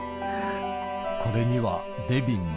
これにはデビンも